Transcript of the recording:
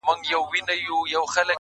چي نوبت د عزت راغی په ژړا سو!!